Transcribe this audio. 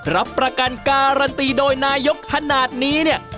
รับประกันการันตีโดยนายกขนาดนี้เนี่ย